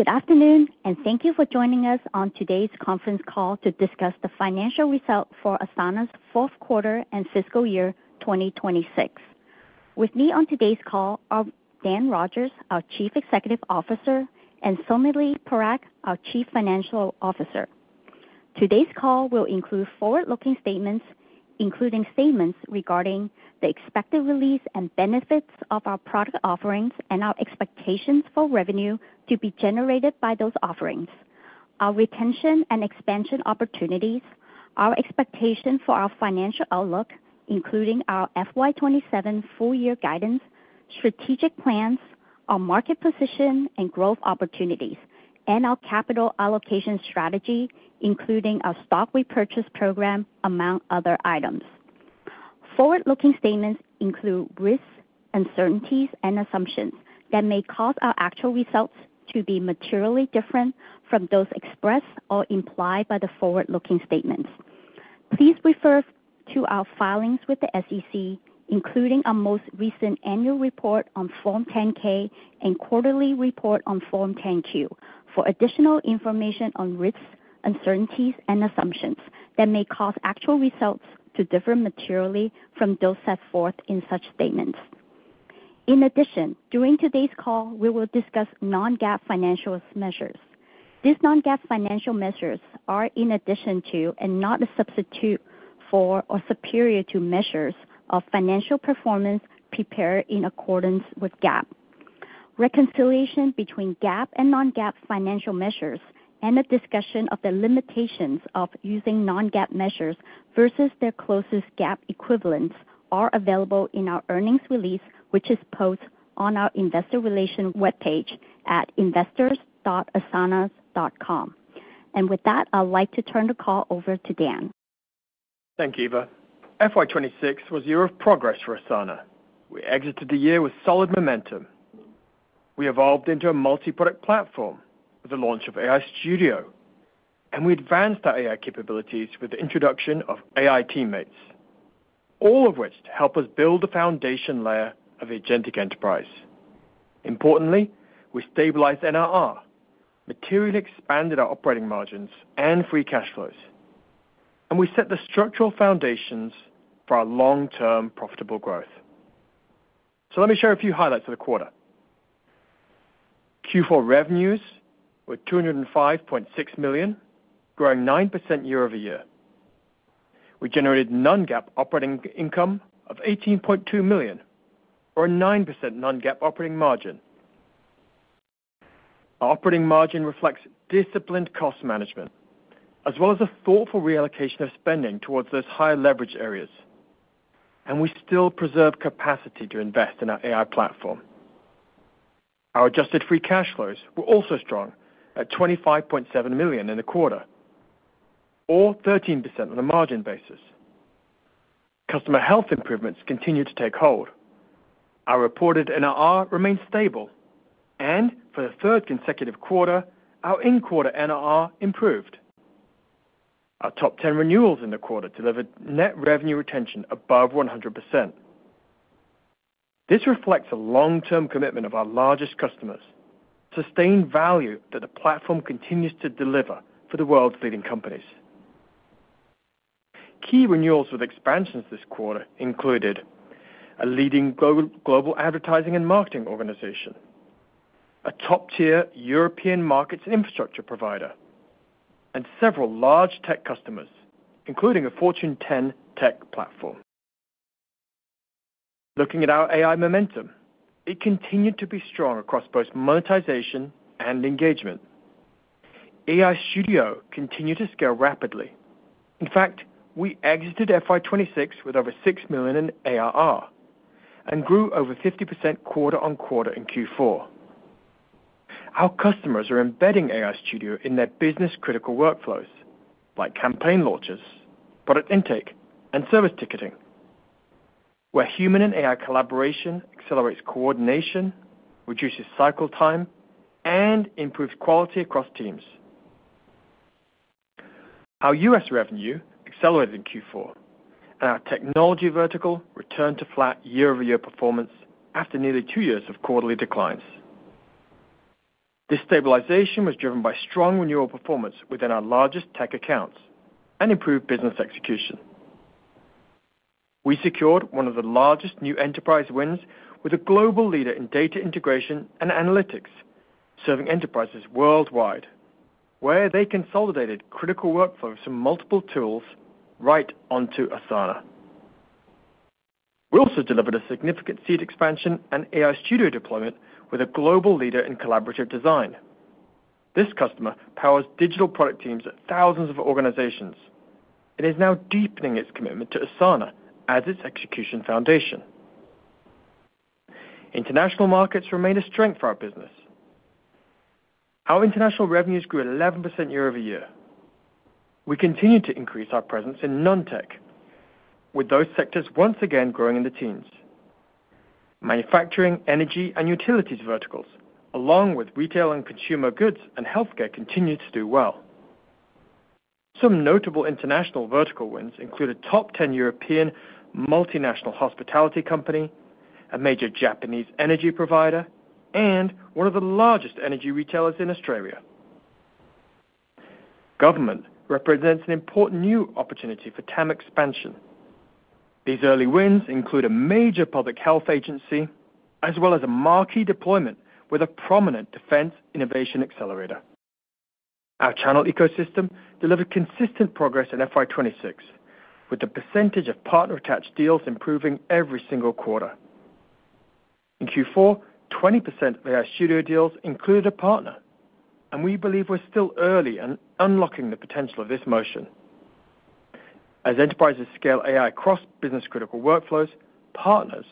Good afternoon, and thank you for joining us on today's conference call to discuss the financial results for Asana's fourth quarter and fiscal year 2026. With me on today's call are Dan Rogers, our Chief Executive Officer, and Sonalee Parekh, our Chief Financial Officer. Today's call will include forward-looking statements, including statements regarding the expected release and benefits of our product offerings and our expectations for revenue to be generated by those offerings, our retention and expansion opportunities, our expectation for our financial outlook, including our FY 2027 full year guidance, strategic plans, our market position and growth opportunities, and our capital allocation strategy, including our stock repurchase program, among other items. Forward-looking statements include risks, uncertainties and assumptions that may cause our actual results to be materially different from those expressed or implied by the forward-looking statements. Please refer to our filings with the SEC, including our most recent annual report on Form 10-K and quarterly report on Form 10-Q for additional information on risks, uncertainties and assumptions that may cause actual results to differ materially from those set forth in such statements. In addition, during today's call, we will discuss non-GAAP financial measures. These non-GAAP financial measures are in addition to and not a substitute for or superior to measures of financial performance prepared in accordance with GAAP. Reconciliation between GAAP and non-GAAP financial measures and a discussion of the limitations of using non-GAAP measures versus their closest GAAP equivalents are available in our earnings release, which is posted on our investor relation webpage at investors.asana.com. With that, I'd like to turn the call over to Dan. Thank you, Eva. FY 26 was a year of progress for Asana. We exited the year with solid momentum. We evolved into a multi-product platform with the launch of AI Studio, and we advanced our AI capabilities with the introduction of AI teammates, all of which to help us build the foundation layer of agentic enterprise. Importantly, we stabilized NRR, materially expanded our operating margins and free cash flows, and we set the structural foundations for our long-term profitable growth. Let me share a few highlights of the quarter. Q4 revenues were $205.6 million, growing 9% year-over-year. We generated non-GAAP operating income of $18.2 million or a 9% non-GAAP operating margin. Our operating margin reflects disciplined cost management as well as a thoughtful reallocation of spending towards those higher leverage areas. We still preserve capacity to invest in our AI platform. Our adjusted free cash flows were also strong at $25.7 million in the quarter or 13% on a margin basis. Customer health improvements continued to take hold. Our reported NRR remained stable, and for the third consecutive quarter, our in-quarter NRR improved. Our top 10 renewals in the quarter delivered net revenue retention above 100%. This reflects a long-term commitment of our largest customers, sustained value that the platform continues to deliver for the world's leading companies. Key renewals with expansions this quarter included a leading global advertising and marketing organization, a top-tier European markets infrastructure provider, and several large tech customers, including a Fortune 10 tech platform. Looking at our AI momentum, it continued to be strong across both monetization and engagement. AI Studio continued to scale rapidly. In fact, we exited FY 26 with over $6 million in ARR and grew over 50% quarter-over-quarter in Q4. Our customers are embedding AI Studio in their business-critical workflows like campaign launches, product intake, and service ticketing, where human and AI collaboration accelerates coordination, reduces cycle time, and improves quality across teams. Our U.S. revenue accelerated in Q4, and our technology vertical returned to flat year-over-year performance after nearly two years of quarterly declines. This stabilization was driven by strong renewal performance within our largest tech accounts and improved business execution. We secured one of the largest new enterprise wins with a global leader in data integration and analytics, serving enterprises worldwide, where they consolidated critical workflows from multiple tools right onto Asana. We also delivered a significant seat expansion and AI Studio deployment with a global leader in collaborative design. This customer powers digital product teams at thousands of organizations. It is now deepening its commitment to Asana as its execution foundation. International markets remain a strength for our business. Our international revenues grew 11% year-over-year. We continue to increase our presence in non-tech, with those sectors once again growing in the teens. Manufacturing, energy, and utilities verticals, along with retail and consumer goods and healthcare, continue to do well. Some notable international vertical wins include a top 10 European multinational hospitality company, a major Japanese energy provider, and one of the largest energy retailers in Australia. Government represents an important new opportunity for TAM expansion. These early wins include a major public health agency as well as a marquee deployment with a prominent defense innovation accelerator. Our channel ecosystem delivered consistent progress in FY 26, with the percentage of partner-attached deals improving every single quarter. In Q4, 20% of AI Studio deals included a partner. We believe we're still early in unlocking the potential of this motion. As enterprises scale AI across business-critical workflows, partners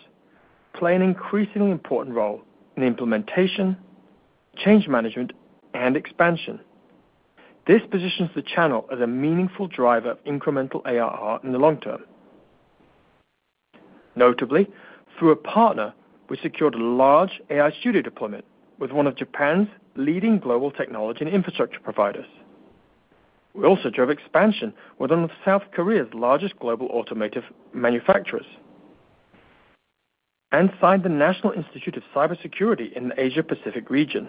play an increasingly important role in implementation, change management, and expansion. This positions the channel as a meaningful driver of incremental ARR in the long term. Notably, through a partner, we secured a large AI Studio deployment with one of Japan's leading global technology and infrastructure providers. We also drove expansion with one of South Korea's largest global automotive manufacturers and signed the National Institute of Cybersecurity in the Asia-Pacific region.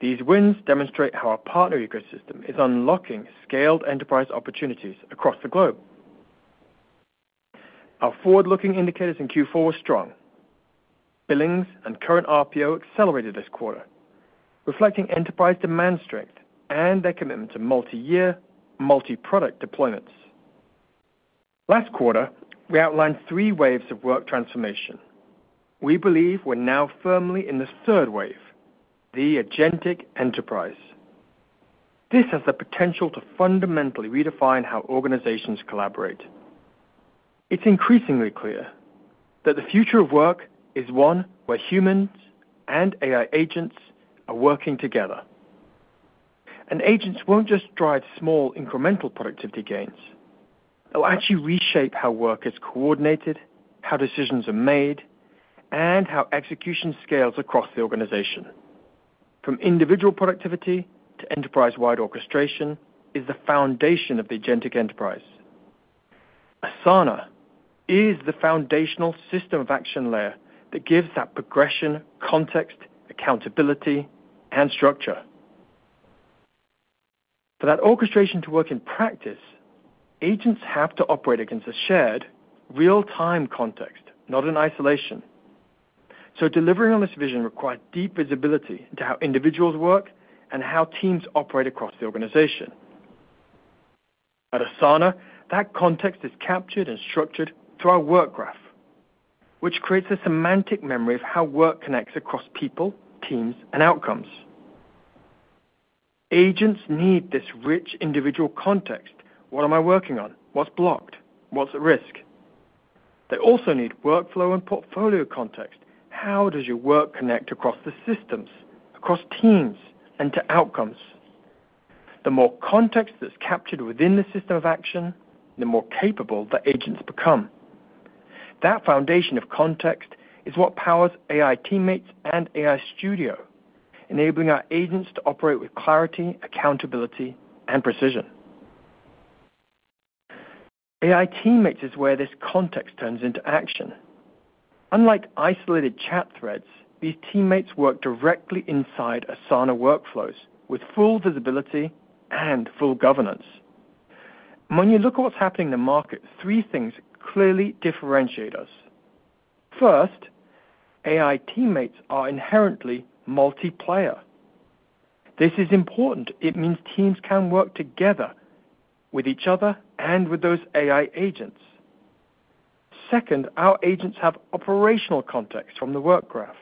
These wins demonstrate how our partner ecosystem is unlocking scaled enterprise opportunities across the globe. Our forward-looking indicators in Q4 were strong. Billings and current RPO accelerated this quarter, reflecting enterprise demand strength and their commitment to multi-year, multi-product deployments. Last quarter, we outlined three waves of work transformation. We believe we're now firmly in the 3rd wave, the agentic enterprise. This has the potential to fundamentally redefine how organizations collaborate. It's increasingly clear that the future of work is one where humans and AI agents are working together. Agents won't just drive small, incremental productivity gains. They'll actually reshape how work is coordinated, how decisions are made, and how execution scales across the organization. From individual productivity to enterprise-wide orchestration is the foundation of the agentic enterprise. Asana is the foundational system of action layer that gives that progression, context, accountability, and structure. For that orchestration to work in practice, agents have to operate against a shared real-time context, not in isolation. Delivering on this vision requires deep visibility into how individuals work and how teams operate across the organization. At Asana, that context is captured and structured through our Work Graph, which creates a semantic memory of how work connects across people, teams, and outcomes. Agents need this rich individual context. What am I working on? What's blocked? What's at risk? They also need workflow and portfolio context. How does your work connect across the systems, across teams, and to outcomes? The more context that's captured within the system of action, the more capable the agents become. That foundation of context is what powers AI teammates and AI Studio, enabling our agents to operate with clarity, accountability, and precision. AI teammates is where this context turns into action. Unlike isolated chat threads, these teammates work directly inside Asana workflows with full visibility and full governance. When you look at what's happening in the market, three things clearly differentiate us. First, AI teammates are inherently multiplayer. This is important. It means teams can work together with each other and with those AI agents. Second, our agents have operational context from the Work Graph.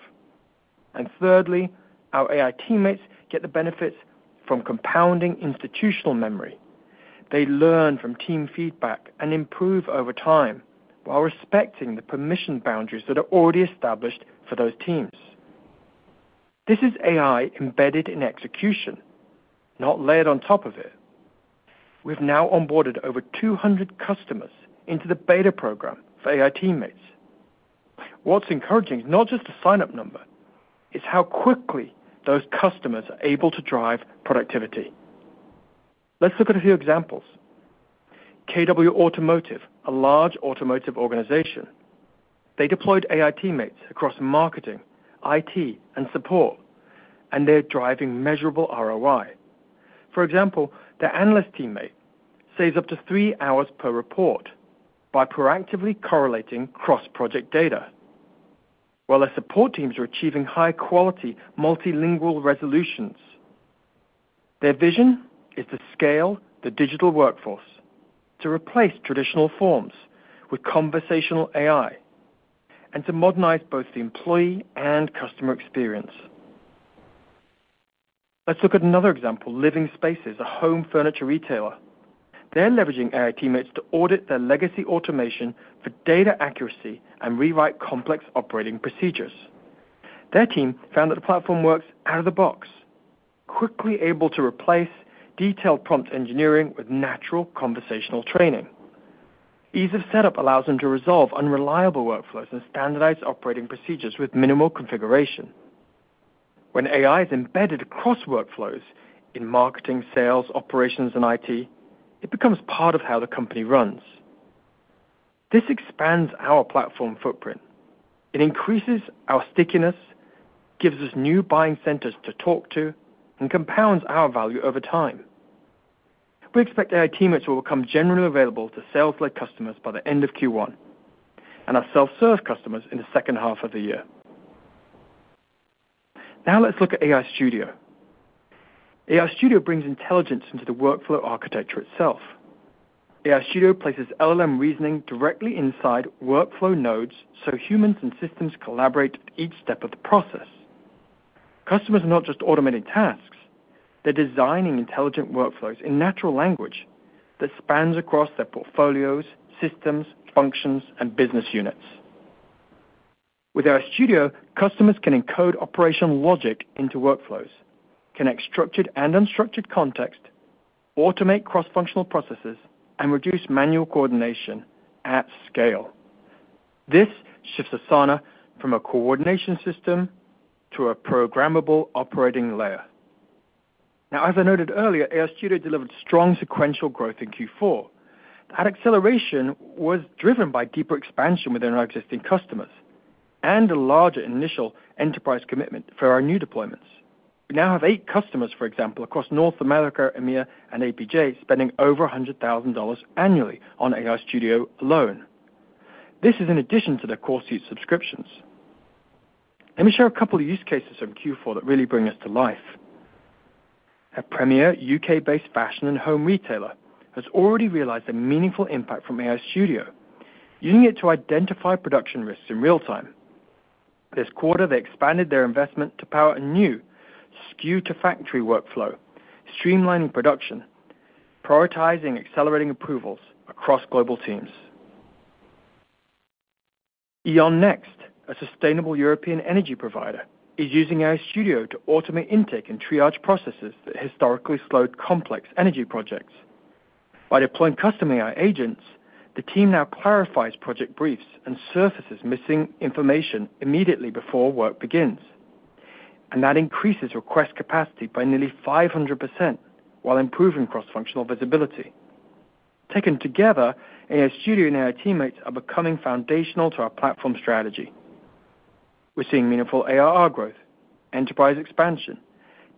Thirdly, our AI teammates get the benefits from compounding institutional memory. They learn from team feedback and improve over time while respecting the permission boundaries that are already established for those teams. This is AI embedded in execution, not layered on top of it. We've now onboarded over 200 customers into the beta program for AI teammates. What's encouraging is not just the sign-up number, it's how quickly those customers are able to drive productivity. Let's look at a few examples. KW Automotive, a large automotive organization. They deployed AI teammates across marketing, IT, and support, and they're driving measurable ROI. For example, their analyst teammate saves up to three hours per report by proactively correlating cross-project data, while their support teams are achieving high-quality multilingual resolutions. Their vision is to scale the digital workforce, to replace traditional forms with conversational AI, and to modernize both the employee and customer experience. Let's look at another example. Living Spaces, a home furniture retailer. They're leveraging AI teammates to audit their legacy automation for data accuracy and rewrite complex operating procedures. Their team found that the platform works out of the box, quickly able to replace detailed prompt engineering with natural conversational training. Ease of setup allows them to resolve unreliable workflows and standardize operating procedures with minimal configuration. When AI is embedded across workflows in marketing, sales, operations, and IT, it becomes part of how the company runs. This expands our platform footprint. It increases our stickiness, gives us new buying centers to talk to, and compounds our value over time. We expect AI teammates will become generally available to sales-led customers by the end of Q1, and our self-serve customers in the second half of the year. Let's look at AI Studio. AI Studio brings intelligence into the workflow architecture itself. AI Studio places LLM reasoning directly inside workflow nodes, so humans and systems collaborate at each step of the process. Customers are not just automating tasks, they're designing intelligent workflows in natural language that spans across their portfolios, systems, functions, and business units. With AI Studio, customers can encode operational logic into workflows, connect structured and unstructured context, automate cross-functional processes, and reduce manual coordination at scale. This shifts Asana from a coordination system to a programmable operating layer. As I noted earlier, AI Studio delivered strong sequential growth in Q4. That acceleration was driven by deeper expansion within our existing customers and a larger initial enterprise commitment for our new deployments. We now have eight customers, for example, across North America, EMEA, and APJ, spending over $100,000 annually on AI Studio alone. This is in addition to their core suite subscriptions. Let me share a couple use cases from Q4 that really bring this to life. A premier U.K.-based fashion and home retailer has already realized a meaningful impact from AI Studio, using it to identify production risks in real time. This quarter, they expanded their investment to power a new SKU-to-factory workflow, streamlining production, prioritizing accelerating approvals across global teams. E.ON Next, a sustainable European energy provider, is using AI Studio to automate intake and triage processes that historically slowed complex energy projects. By deploying custom AI agents, the team now clarifies project briefs and surfaces missing information immediately before work begins. That increases request capacity by nearly 500% while improving cross-functional visibility. Taken together, AI Studio and AI teammates are becoming foundational to our platform strategy. We're seeing meaningful ARR growth, enterprise expansion,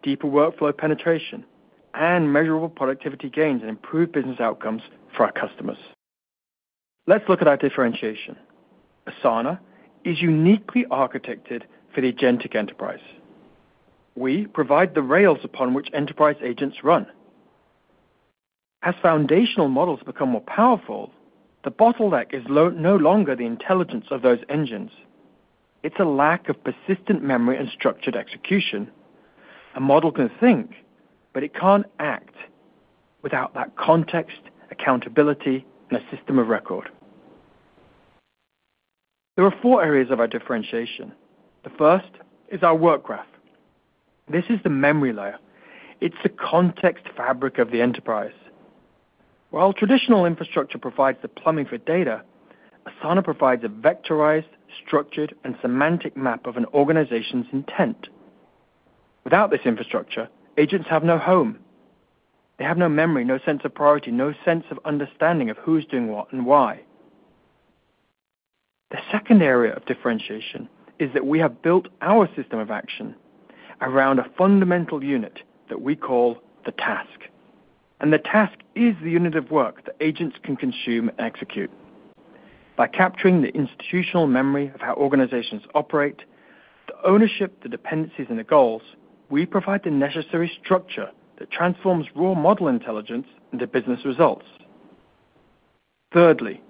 deeper workflow penetration, and measurable productivity gains and improved business outcomes for our customers. Let's look at our differentiation. Asana is uniquely architected for the agentic enterprise. We provide the rails upon which enterprise agents run. As foundational models become more powerful, the bottleneck is no longer the intelligence of those engines. It's a lack of persistent memory and structured execution. A model can think, but it can't act without that context, accountability, and a system of record. There are four areas of our differentiation. The first is our Work Graph. This is the memory layer. It's the context fabric of the enterprise. While traditional infrastructure provides the plumbing for data, Asana provides a vectorized, structured, and semantic map of an organization's intent. Without this infrastructure, agents have no home. They have no memory, no sense of priority, no sense of understanding of who's doing what and why. The second area of differentiation is that we have built our system of action around a fundamental unit that we call the task, and the task is the unit of work that agents can consume and execute. By capturing the institutional memory of how organizations operate, the ownership, the dependencies, and the goals, we provide the necessary structure that transforms raw model intelligence into business results. Thirdly,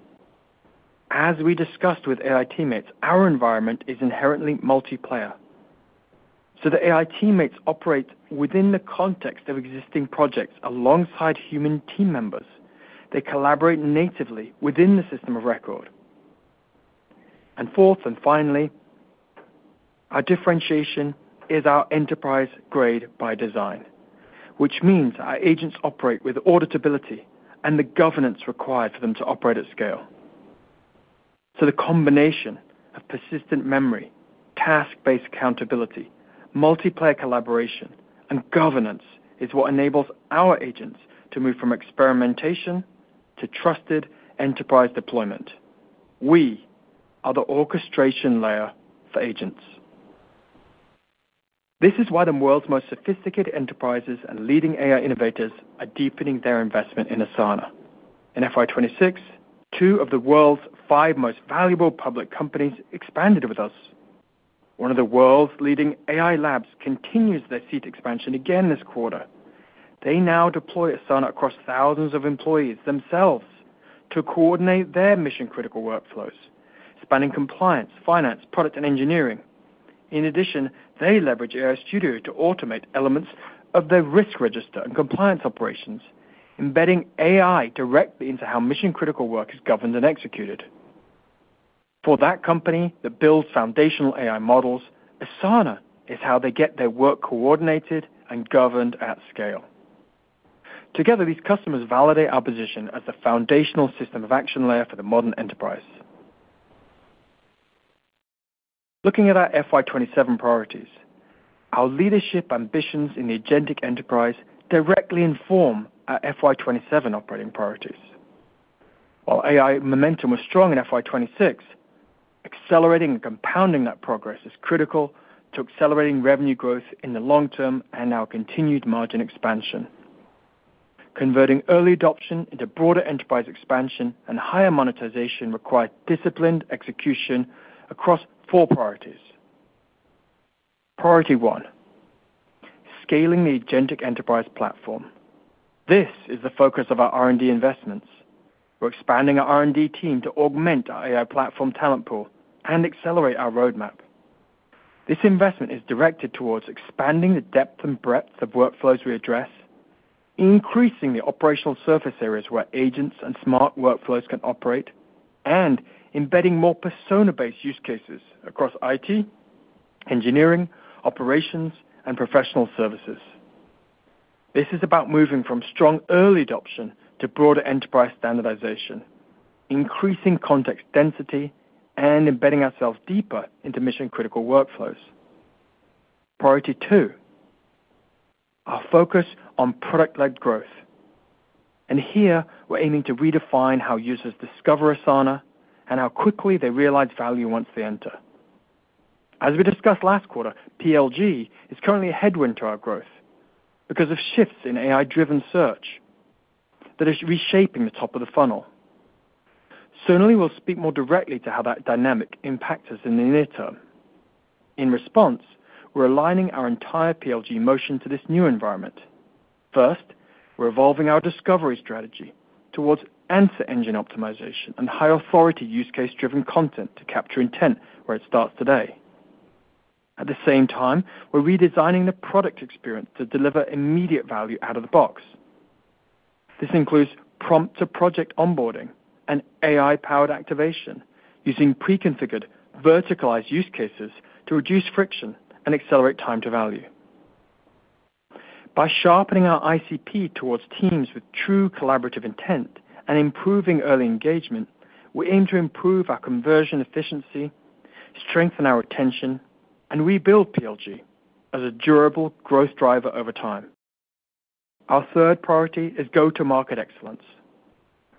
as we discussed with AI Teammates, our environment is inherently multiplayer. The AI Teammates operate within the context of existing projects alongside human team members. They collaborate natively within the system of record. Fourth, and finally, our differentiation is our enterprise-grade by design, which means our agents operate with auditability and the governance required for them to operate at scale. The combination of persistent memory, task-based accountability, multiplayer collaboration, and governance is what enables our agents to move from experimentation to trusted enterprise deployment. We are the orchestration layer for agents. This is why the world's most sophisticated enterprises and leading AI innovators are deepening their investment in Asana. In FY 26, two of the world's five most valuable public companies expanded with us. One of the world's leading AI labs continues their seat expansion again this quarter. They now deploy Asana across thousands of employees themselves to coordinate their mission-critical workflows, spanning compliance, finance, product, and engineering. In addition, they leverage AI Studio to automate elements of their risk register and compliance operations, embedding AI directly into how mission-critical work is governed and executed. For that company that builds foundational AI models, Asana is how they get their work coordinated and governed at scale. These customers validate our position as the foundational system of action layer for the modern enterprise. Looking at our FY 27 priorities, our leadership ambitions in the agentic enterprise directly inform our FY 27 operating priorities. AI momentum was strong in FY 26, accelerating and compounding that progress is critical to accelerating revenue growth in the long term and our continued margin expansion. Converting early adoption into broader enterprise expansion and higher monetization requires disciplined execution across four priorities. Priority one: scaling the agentic enterprise platform. This is the focus of our R&D investments. We're expanding our R&D team to augment our AI platform talent pool and accelerate our roadmap. This investment is directed towards expanding the depth and breadth of workflows we address, increasing the operational surface areas where agents and smart workflows can operate, and embedding more persona-based use cases across IT, engineering, operations, and professional services. This is about moving from strong early adoption to broader enterprise standardization, increasing context density, and embedding ourselves deeper into mission-critical workflows. Priority two: our focus on product-led growth, and here we're aiming to redefine how users discover Asana and how quickly they realize value once they enter. As we discussed last quarter, PLG is currently a headwind to our growth because of shifts in AI-driven search that is reshaping the top of the funnel. We'll speak more directly to how that dynamic impacts us in the near term. In response, we're aligning our entire PLG motion to this new environment. First, we're evolving our discovery strategy towards answer engine optimization and high authority use case-driven content to capture intent where it starts today. We're redesigning the product experience to deliver immediate value out of the box. This includes prompt-to-project onboarding and AI-powered activation using pre-configured verticalized use cases to reduce friction and accelerate time to value. By sharpening our ICP towards teams with true collaborative intent and improving early engagement, we aim to improve our conversion efficiency, strengthen our retention, and rebuild PLG as a durable growth driver over time. Our third priority is go-to-market excellence.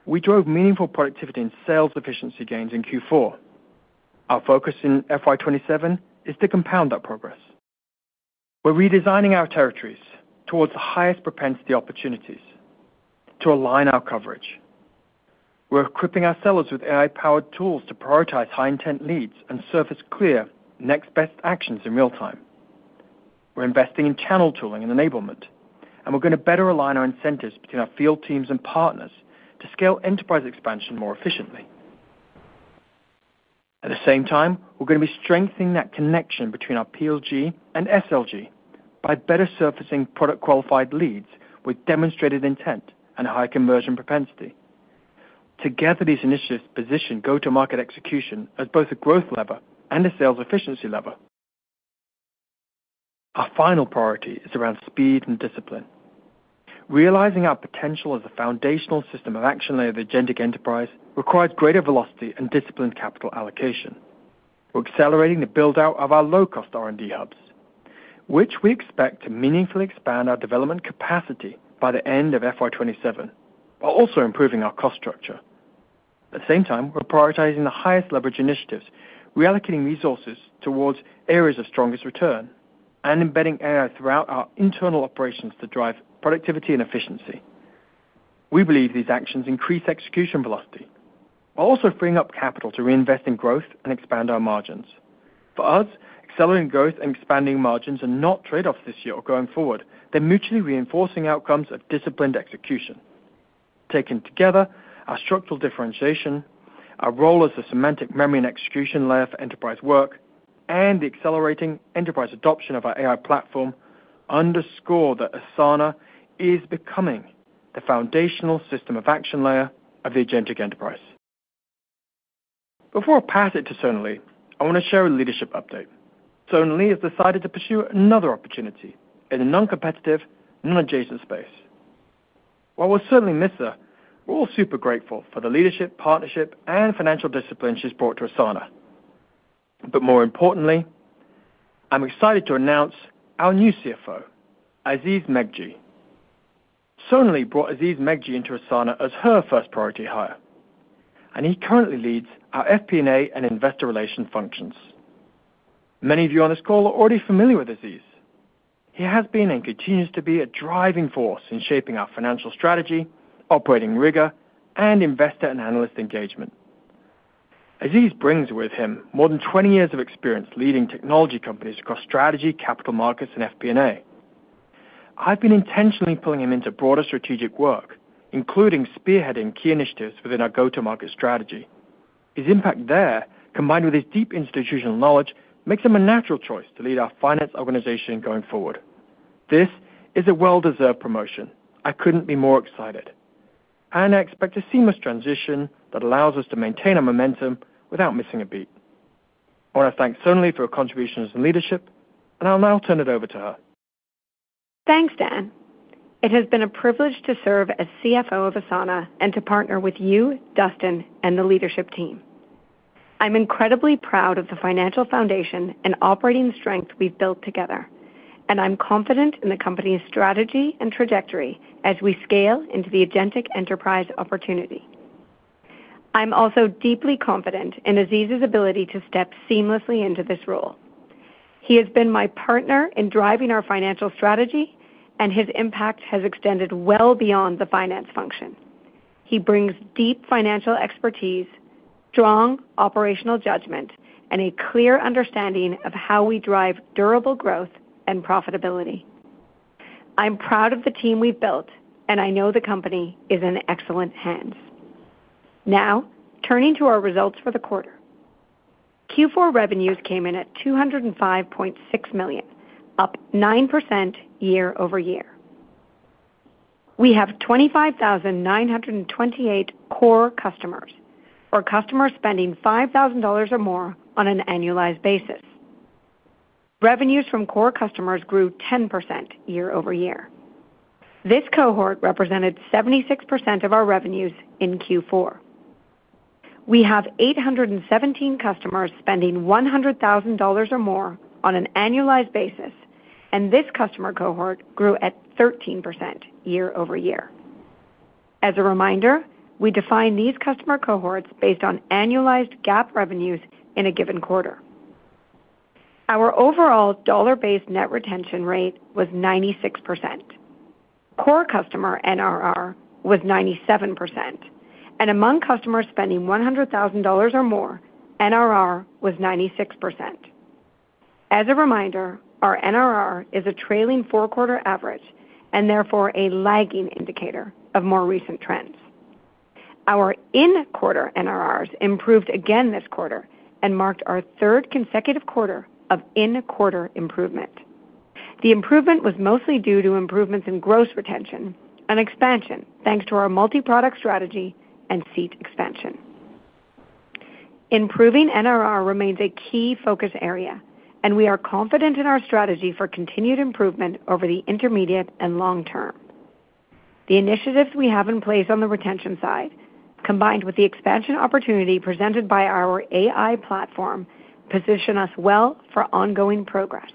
We drove meaningful productivity and sales efficiency gains in Q4. Our focus in FY 27 is to compound that progress. We're redesigning our territories towards the highest propensity opportunities to align our coverage. We're equipping our sellers with AI-powered tools to prioritize high-intent leads and surface clear next best actions in real time. We're investing in channel tooling and enablement, we're gonna better align our incentives between our field teams and partners to scale enterprise expansion more efficiently. At the same time, we're gonna be strengthening that connection between our PLG and SLG by better surfacing product qualified leads with demonstrated intent and high conversion propensity. Together, these initiatives position go-to-market execution as both a growth lever and a sales efficiency lever. Our final priority is around speed and discipline. Realizing our potential as a foundational system of action-layer of agentic enterprise requires greater velocity and disciplined capital allocation. We're accelerating the build-out of our low-cost R&D hubs, which we expect to meaningfully expand our development capacity by the end of FY 2027, while also improving our cost structure. At the same time, we're prioritizing the highest leverage initiatives, reallocating resources towards areas of strongest return, and embedding AI throughout our internal operations to drive productivity and efficiency. We believe these actions increase execution velocity while also freeing up capital to reinvest in growth and expand our margins. For us, accelerating growth and expanding margins are not trade-offs this year or going forward. They're mutually reinforcing outcomes of disciplined execution. Taken together, our structural differentiation, our role as a semantic memory and execution layer for enterprise work, and the accelerating enterprise adoption of our AI platform underscore that Asana is becoming the foundational system of action layer of the agentic enterprise. Before I pass it to Sonali, I want to share a leadership update. Sonali has decided to pursue another opportunity in a non-competitive and an adjacent space. While we'll certainly miss her, we're all super grateful for the leadership, partnership, and financial discipline she's brought to Asana. More importantly, I'm excited to announce our new CFO, Aziz Megji. Sonali brought Aziz Megji into Asana as her first priority hire, and he currently leads our FP&A and investor relations functions. Many of you on this call are already familiar with Aziz. He has been and continues to be a driving force in shaping our financial strategy, operating rigor, and investor and analyst engagement. Aziz brings with him more than 20 years of experience leading technology companies across strategy, capital markets, and FP&A. I've been intentionally pulling him into broader strategic work, including spearheading key initiatives within our go-to-market strategy. His impact there, combined with his deep institutional knowledge, makes him a natural choice to lead our finance organization going forward. This is a well-deserved promotion. I couldn't be more excited, and I expect a seamless transition that allows us to maintain our momentum without missing a beat. I want to thank Sonali for her contributions and leadership, and I'll now turn it over to her. Thanks, Dan. It has been a privilege to serve as CFO of Asana and to partner with you, Dustin, and the leadership team. I'm incredibly proud of the financial foundation and operating strength we've built together, I'm confident in the company's strategy and trajectory as we scale into the agentic enterprise opportunity. I'm also deeply confident in Aziz's ability to step seamlessly into this role. He has been my partner in driving our financial strategy, his impact has extended well beyond the finance function. He brings deep financial expertise, strong operational judgment, and a clear understanding of how we drive durable growth and profitability. I'm proud of the team we've built, I know the company is in excellent hands. Turning to our results for the quarter. Q4 revenues came in at $205.6 million, up 9% year-over-year. We have 25,928 core customers, or customers spending $5,000 or more on an annualized basis. Revenues from core customers grew 10% year-over-year. This cohort represented 76% of our revenues in Q4. We have 817 customers spending $100,000 or more on an annualized basis, and this customer cohort grew at 13% year-over-year. As a reminder, we define these customer cohorts based on annualized GAAP revenues in a given quarter. Our overall dollar-based net retention rate was 96%. Core customer NRR was 97%, and among customers spending $100,000 or more, NRR was 96%. As a reminder, our NRR is a trailing four-quarter average and therefore a lagging indicator of more recent trends. Our in-quarter NRRs improved again this quarter and marked our third consecutive quarter of in-quarter improvement. The improvement was mostly due to improvements in gross retention and expansion, thanks to our multi-product strategy and seat expansion. Improving NRR remains a key focus area, and we are confident in our strategy for continued improvement over the intermediate and long term. The initiatives we have in place on the retention side, combined with the expansion opportunity presented by our AI platform, position us well for ongoing progress.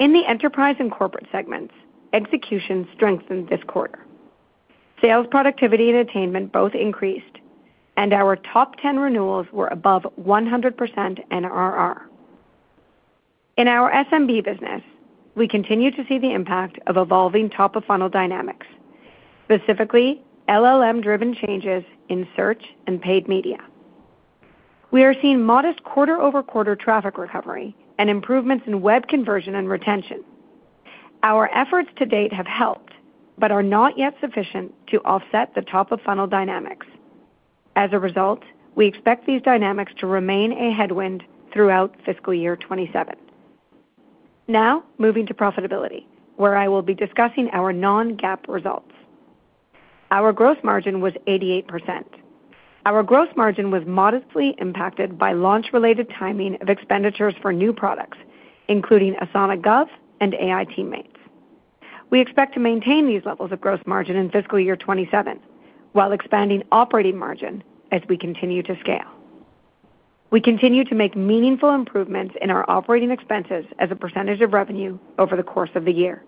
In the enterprise and corporate segments, execution strengthened this quarter. Sales productivity and attainment both increased, and our top 10 renewals were above 100% NRR. In our SMB business, we continue to see the impact of evolving top-of-funnel dynamics, specifically LLM-driven changes in search and paid media. We are seeing modest quarter-over-quarter traffic recovery and improvements in web conversion and retention. Our efforts to date have helped, are not yet sufficient to offset the top-of-funnel dynamics. As a result, we expect these dynamics to remain a headwind throughout fiscal year 2027. Moving to profitability, where I will be discussing our non-GAAP results. Our gross margin was 88%. Our gross margin was modestly impacted by launch-related timing of expenditures for new products, including Asana Gov and AI teammates. We expect to maintain these levels of gross margin in fiscal year 2027, while expanding operating margin as we continue to scale. We continue to make meaningful improvements in our operating expenses as a % of revenue over the course of the year.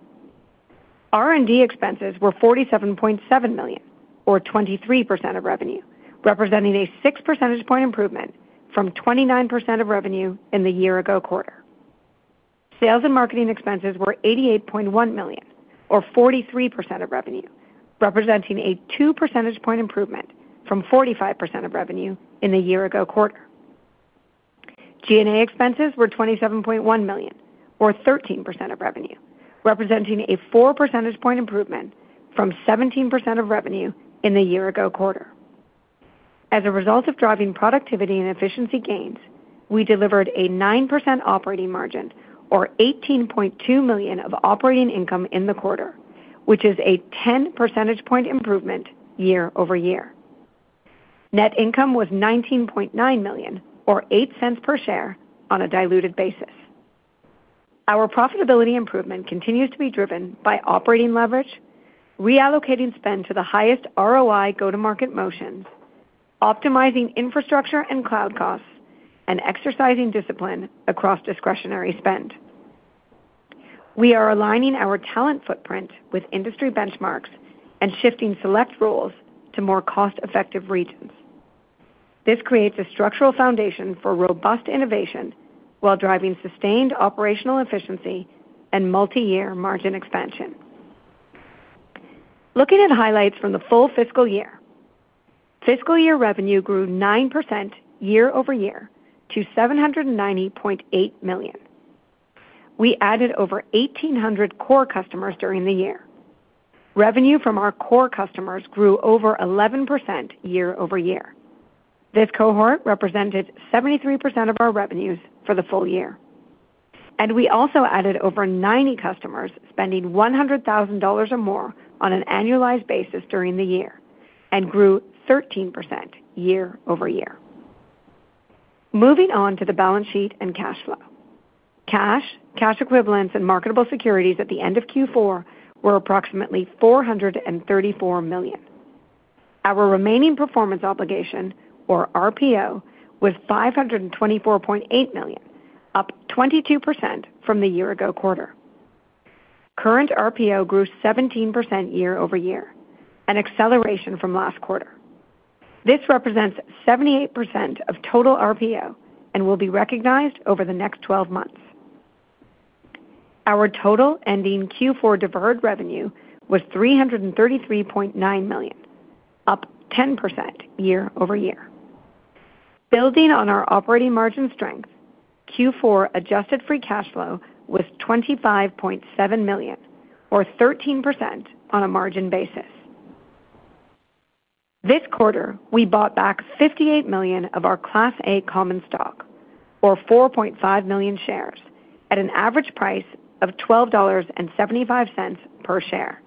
R&D expenses were $47.7 million or 23% of revenue, representing a six percentage point improvement from 29% of revenue in the year-ago quarter. Sales and marketing expenses were $88.1 million or 43% of revenue, representing a two percentage point improvement from 45% of revenue in the year-ago quarter. G&A expenses were $27.1 million or 13% of revenue, representing a four percentage point improvement from 17% of revenue in the year-ago quarter. As a result of driving productivity and efficiency gains, we delivered a 9% operating margin or $18.2 million of operating income in the quarter, which is a 10 percentage point improvement year-over-year. Net income was $19.9 million or $0.08 per share on a diluted basis. Our profitability improvement continues to be driven by operating leverage, reallocating spend to the highest ROI go-to-market motions, optimizing infrastructure and cloud costs, and exercising discipline across discretionary spend. We are aligning our talent footprint with industry benchmarks and shifting select roles to more cost-effective regions. This creates a structural foundation for robust innovation while driving sustained operational efficiency and multi-year margin expansion. Looking at highlights from the full fiscal year. Fiscal year revenue grew 9% year-over-year to $790.8 million. We added over 1,800 core customers during the year. Revenue from our core customers grew over 11% year-over-year. This cohort represented 73% of our revenues for the full year. We also added over 90 customers spending $100,000 or more on an annualized basis during the year and grew 13% year-over-year. Moving on to the balance sheet and cash flow. Cash, cash equivalents and marketable securities at the end of Q4 were approximately $434 million. Our remaining performance obligation, or RPO, was $524.8 million, up 22% from the year-ago quarter. Current RPO grew 17% year-over-year, an acceleration from last quarter. This represents 78% of total RPO and will be recognized over the next 12 months. Our total ending Q4 deferred revenue was $333.9 million, up 10% year-over-year. Building on our operating margin strength, Q4 adjusted free cash flow was $25.7 million, or 13% on a margin basis. This quarter, we bought back $58 million of our Class A common stock, or 4.5 million shares at an average price of $12.75 per share.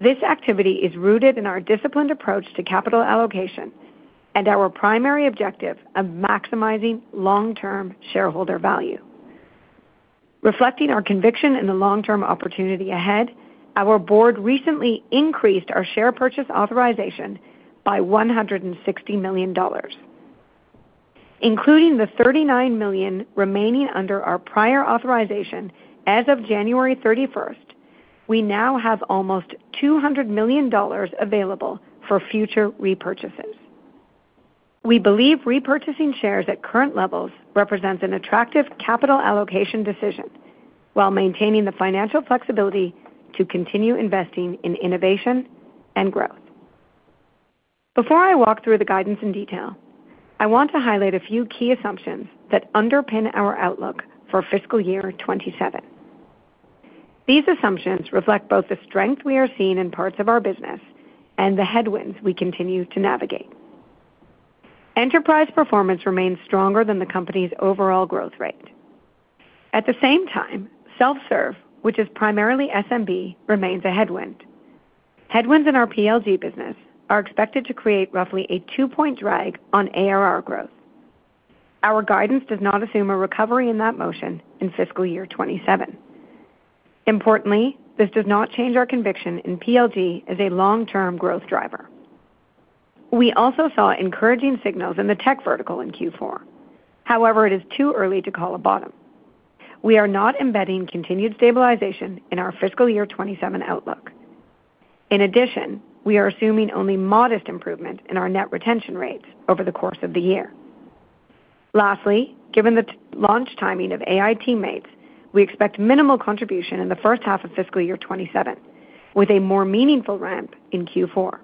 This activity is rooted in our disciplined approach to capital allocation and our primary objective of maximizing long-term shareholder value. Reflecting our conviction in the long-term opportunity ahead, our board recently increased our share purchase authorization by $160 million. Including the $39 million remaining under our prior authorization, as of January 31st, we now have almost $200 million available for future repurchases. We believe repurchasing shares at current levels represents an attractive capital allocation decision while maintaining the financial flexibility to continue investing in innovation and growth. Before I walk through the guidance in detail, I want to highlight a few key assumptions that underpin our outlook for fiscal year 2027. These assumptions reflect both the strength we are seeing in parts of our business and the headwinds we continue to navigate. Enterprise performance remains stronger than the company's overall growth rate. At the same time, self-serve, which is primarily SMB, remains a headwind. Headwinds in our PLG business are expected to create roughly a 2-point drag on ARR growth. Our guidance does not assume a recovery in that motion in fiscal year 27. Importantly, this does not change our conviction in PLG as a long-term growth driver. We also saw encouraging signals in the tech vertical in Q4. It is too early to call a bottom. We are not embedding continued stabilization in our fiscal year 27 outlook. We are assuming only modest improvement in our net retention rates over the course of the year. Given the launch timing of AI teammates, we expect minimal contribution in the first half of fiscal year 27, with a more meaningful ramp in Q4.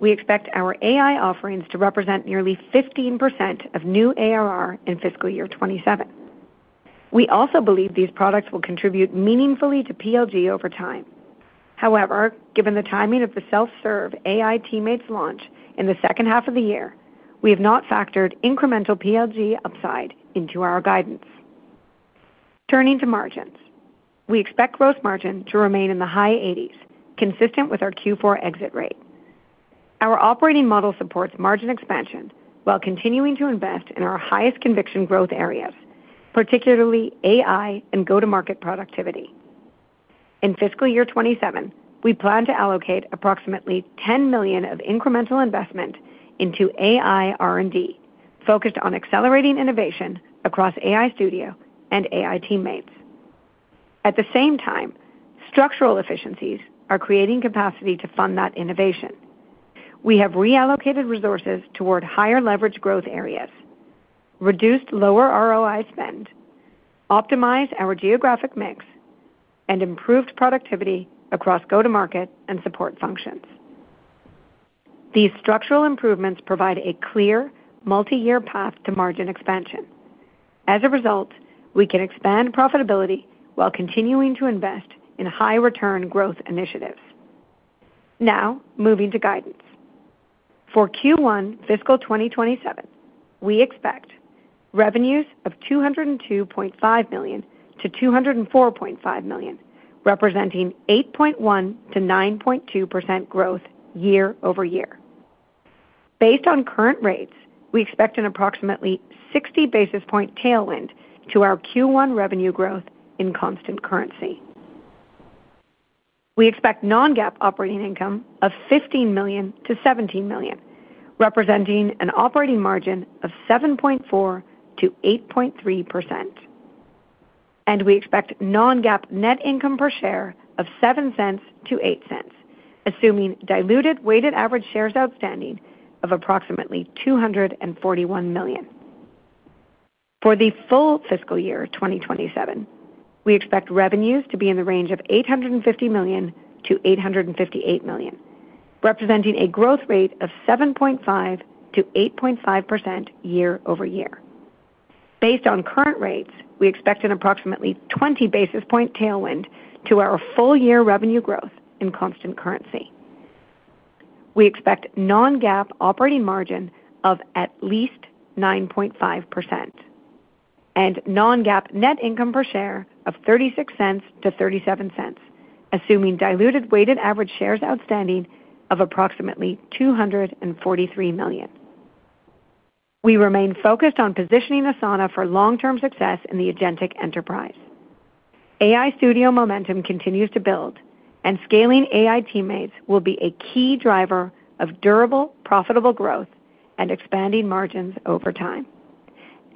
We expect our AI offerings to represent nearly 15% of new ARR in fiscal year 27. We also believe these products will contribute meaningfully to PLG over time. Given the timing of the self-serve AI teammates launch in the second half of the year, we have not factored incremental PLG upside into our guidance. Turning to margins. We expect gross margin to remain in the high 80s, consistent with our Q4 exit rate. Our operating model supports margin expansion while continuing to invest in our highest conviction growth areas, particularly AI and go-to-market productivity. In fiscal year 27, we plan to allocate approximately $10 million of incremental investment into AI R&D focused on accelerating innovation across AI Studio and AI teammates. At the same time, structural efficiencies are creating capacity to fund that innovation. We have reallocated resources toward higher leverage growth areas, reduced lower ROI spend, optimized our geographic mix, and improved productivity across go-to-market and support functions. These structural improvements provide a clear multi-year path to margin expansion. As a result, we can expand profitability while continuing to invest in high return growth initiatives. Moving to guidance. For Q1 fiscal 2027, we expect revenues of $202.5 million to $204.5 million, representing 8.1%-9.2% growth year-over-year. Based on current rates, we expect an approximately 60 basis point tailwind to our Q1 revenue growth in constant currency. We expect non-GAAP operating income of $15 million to $17 million, representing an operating margin of 7.4%-8.3%. We expect non-GAAP net income per share of $0.07 to $0.08, assuming diluted weighted average shares outstanding of approximately 241 million. For the full fiscal year 2027, we expect revenues to be in the range of $850 million to $858 million, representing a growth rate of 7.5%-8.5% year-over-year. Based on current rates, we expect an approximately 20 basis point tailwind to our full year revenue growth in constant currency. We expect non-GAAP operating margin of at least 9.5% and non-GAAP net income per share of $0.36-$0.37, assuming diluted weighted average shares outstanding of approximately 243 million. We remain focused on positioning Asana for long-term success in the agentic enterprise. AI Studio momentum continues to build. Scaling AI teammates will be a key driver of durable, profitable growth and expanding margins over time.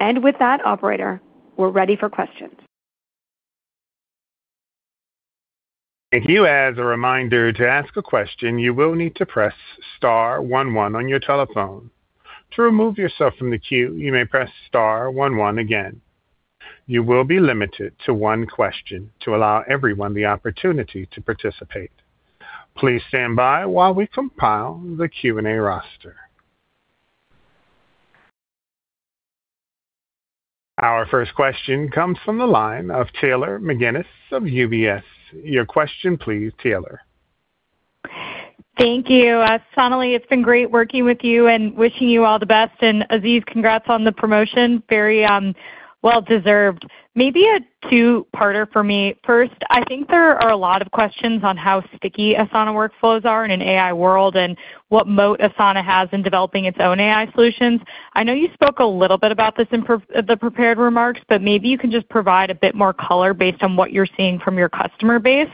With that operator, we're ready for questions. Thank you. As a reminder to ask a question, you will need to press star one one on your telephone. To remove yourself from the queue, you may press star one one again. You will be limited to one question to allow everyone the opportunity to participate. Please stand by while we compile the Q&A roster. Our first question comes from the line of Taylor McGinnis of UBS. Your question please, Taylor. Thank you. Sonali, it's been great working with you and wishing you all the best. Aziz, congrats on the promotion. Very well deserved. Maybe a two-parter for me. First, I think there are a lot of questions on how sticky Asana workflows are in an AI world and what moat Asana has in developing its own AI solutions. I know you spoke a little bit about this in the prepared remarks, but maybe you can just provide a bit more color based on what you're seeing from your customer base.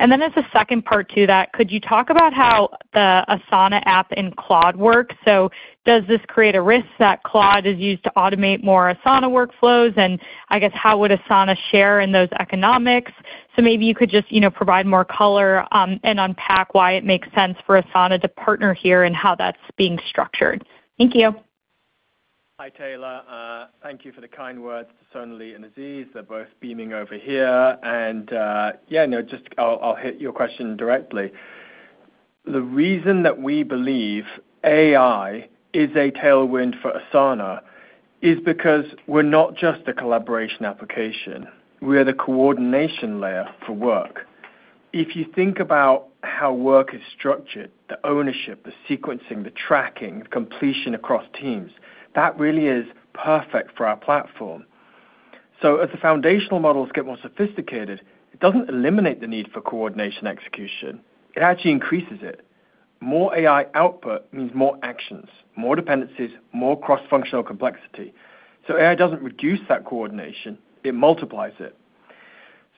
As a second part to that, could you talk about how the Asana app and Claude work? Does this create a risk that Claude is used to automate more Asana workflows? I guess how would Asana share in those economics? maybe you could just, you know, provide more color, and unpack why it makes sense for Asana to partner here and how that's being structured. Thank you. Hi, Taylor. Thank you for the kind words to Sonali and Aziz. They're both beaming over here. Yeah, no, just I'll hit your question directly. The reason that we believe AI is a tailwind for Asana is because we're not just a collaboration application, we are the coordination layer for work. If you think about how work is structured, the ownership, the sequencing, the tracking, completion across teams, that really is perfect for our platform. As the foundational models get more sophisticated, it doesn't eliminate the need for coordination execution, it actually increases it. More AI output means more actions, more dependencies, more cross-functional complexity. AI doesn't reduce that coordination, it multiplies it.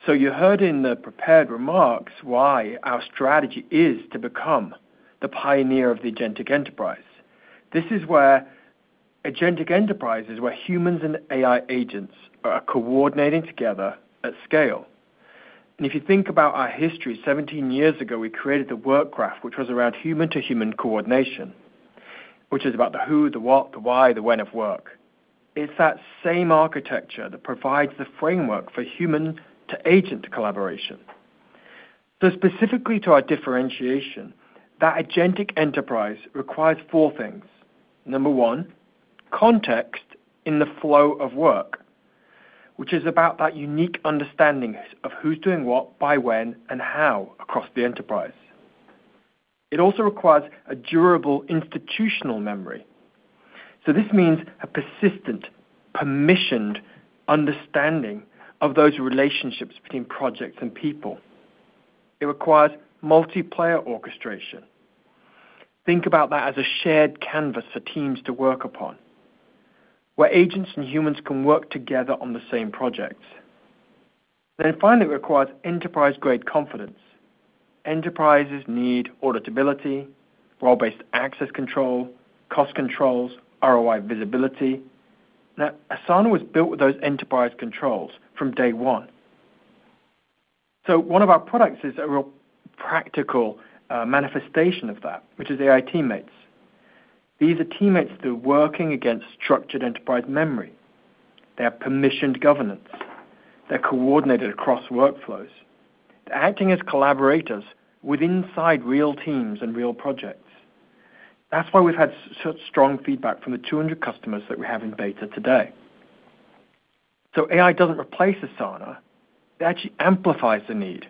You heard in the prepared remarks why our strategy is to become the pioneer of the agentic enterprise. This is where agentic enterprise is where humans and AI agents are coordinating together at scale. If you think about our history, 17 years ago, we created the Work Graph, which was around human-to-human coordination, which is about the who, the what, the why, the when of work. It's that same architecture that provides the framework for human-to-agent collaboration. Specifically to our differentiation, that agentic enterprise requires four things. Number one, context in the flow of work, which is about that unique understanding of who's doing what by when and how across the enterprise. It also requires a durable institutional memory. This means a persistent, permissioned understanding of those relationships between projects and people. It requires multiplayer orchestration. Think about that as a shared canvas for teams to work upon, where agents and humans can work together on the same projects. It finally requires enterprise-grade confidence. Enterprises need auditability, role-based access control, cost controls, ROI visibility. Asana was built with those enterprise controls from day one. One of our products is a real practical manifestation of that, which is AI teammates. These are teammates that are working against structured enterprise memory. They have permissioned governance. They're coordinated across workflows. They're acting as collaborators with inside real teams and real projects. That's why we've had such strong feedback from the 200 customers that we have in beta today. AI doesn't replace Asana. It actually amplifies the need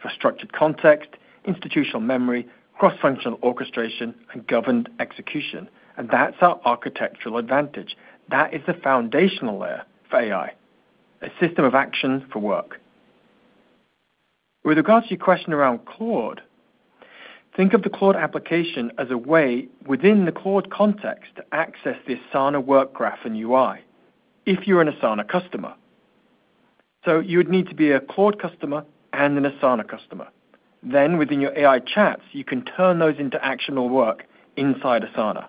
for structured context, institutional memory, cross-functional orchestration, and governed execution. That's our architectural advantage. That is the foundational layer for AI, a system of action for work. With regards to your question around Claude, think of the Claude application as a way within the Claude context to access the Asana Work Graph and UI if you're an Asana customer. You would need to be a Claude customer and an Asana customer. Within your AI chats, you can turn those into actionable work inside Asana.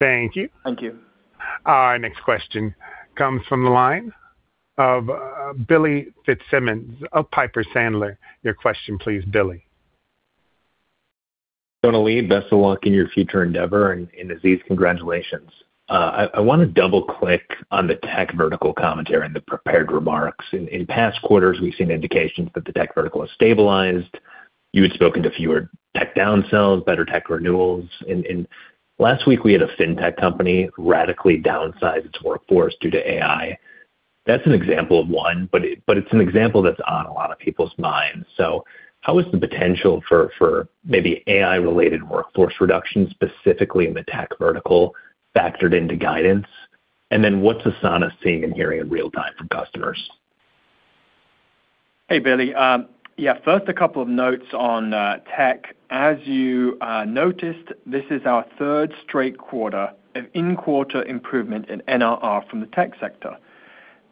Thank you. Thank you. Our next question comes from the line of Brent Bracelin of Piper Sandler. Your question please, Billy. Sonali, best of luck in your future endeavor and Aziz, congratulations. I wanna double-click on the tech vertical commentary in the prepared remarks. In past quarters, we've seen indications that the tech vertical has stabilized. You had spoken to fewer tech downsells, better tech renewals. Last week we had a Fintech company radically downsize its workforce due to AI. That's an example of one, but it's an example that's on a lot of people's minds. How is the potential for maybe AI-related workforce reduction, specifically in the tech vertical, factored into guidance? What's Asana seeing and hearing in real time from customers? Hey, Billy. Yeah, first a couple of notes on tech. As you noticed, this is our third straight quarter of in-quarter improvement in NRR from the tech sector.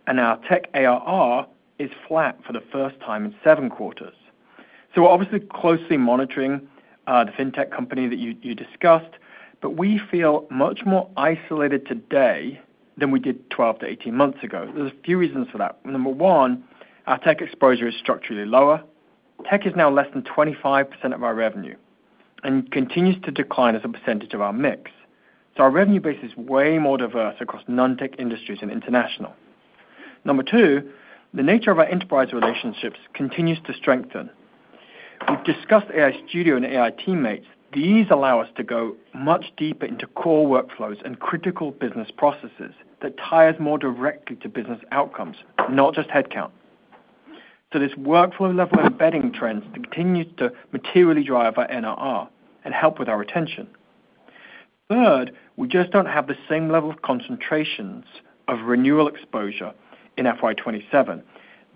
Our tech ARR is flat for the first time in seven quarters. We're obviously closely monitoring the Fintech company that you discussed, but we feel much more isolated today than we did 12-18 months ago. There's a few reasons for that. Number one, our tech exposure is structurally lower. Tech is now less than 25% of our revenue and continues to decline as a percentage of our mix. Our revenue base is way more diverse across non-tech industries and international. Number two, the nature of our enterprise relationships continues to strengthen. We've discussed AI Studio and AI teammates. These allow us to go much deeper into core workflows and critical business processes that ties more directly to business outcomes, not just headcount. This workflow level embedding trends continues to materially drive our NRR and help with our retention. Third, we just don't have the same level of concentrations of renewal exposure in FY 27